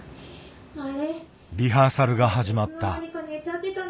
リハーサルが始まった。